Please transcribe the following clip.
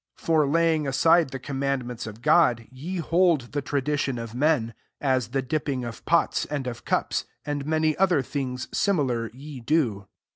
8 For laying aside the commandments of God, ye boJd the tradition of men; at the dippitig of pots and of cups : and many other things, similar, ye do."